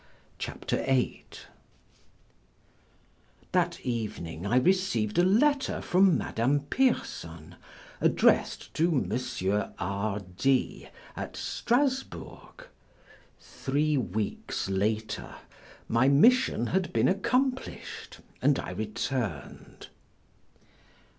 CHAPTER VIII THAT evening I received a letter from Madame Pierson, addressed to M. R. D., at Strasburg. Three weeks later my mission had been accomplished and I returned.